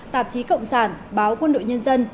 tạp chí cộng sản báo quân đội nhân dân